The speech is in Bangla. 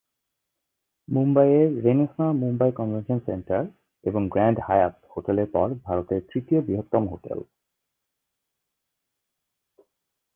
মুম্বাই এর "রেনেসাঁ মুম্বাই কনভেনশন সেন্টার" এবং "গ্র্যান্ড হায়াত" হোটেলের পর ভারতের তৃতীয় বৃহত্তম হোটেল।